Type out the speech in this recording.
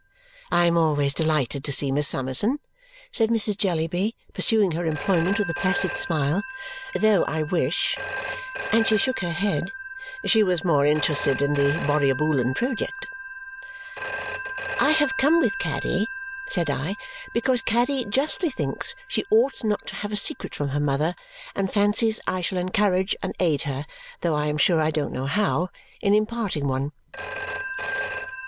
"I am always delighted to see Miss Summerson," said Mrs. Jellyby, pursuing her employment with a placid smile. "Though I wish," and she shook her head, "she was more interested in the Borrioboolan project." "I have come with Caddy," said I, "because Caddy justly thinks she ought not to have a secret from her mother and fancies I shall encourage and aid her (though I am sure I don't know how) in imparting one."